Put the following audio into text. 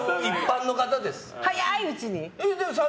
早いうちに？